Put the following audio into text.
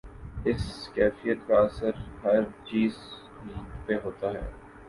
اس کیفیت کا اثر ہر چیز پہ ہوتا ہے۔